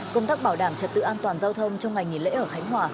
công tác bảo đảm trật tự an toàn giao thông trong ngày nghỉ lễ ở khánh hòa